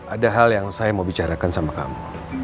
ada hal yang saya mau bicarakan sama kamu